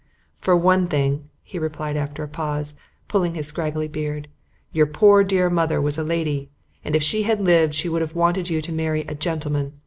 "For one thing," he replied after a pause, pulling his straggly beard, "your poor dear mother was a lady, and if she had lived she would have wanted you to marry a gentleman.